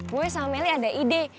gue sama meli ada ide